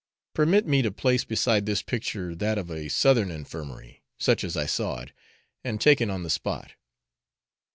Permit me to place beside this picture that of a Southern infirmary, such as I saw it, and taken on the spot.